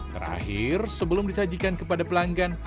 terakhir sebelum disajikan kepada pelanggan